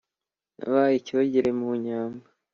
Nabaye icyogere mu nyambo,